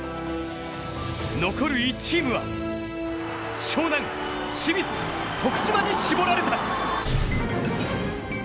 残る１チームは、湘南、清水、徳島に絞られた。